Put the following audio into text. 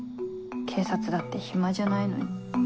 警察だって暇じゃないのに。